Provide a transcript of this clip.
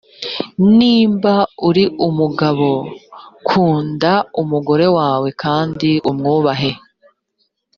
niba uri umugabo kunda umugore wawe kandi umwubahe